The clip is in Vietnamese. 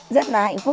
rất là hạnh phúc